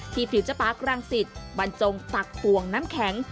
ที่ฟิวเจ้าป๊ากรังสิตบรรจงตักปวงน้ำแข็ง